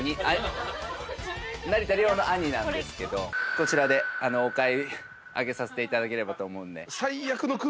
こちらでお買い上げさせていただければと思うんで。